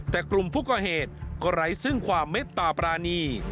แต่กลุ่มผู้ก่อเหตุก็ไร้ซึ่งความเม็ดตาปรานี